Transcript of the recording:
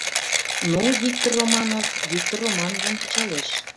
Ну, Виктор Романов Виктор Романовым кычалеш.